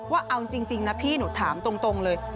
ว่าเอาจริงนะพี่หนูถามตรงเลย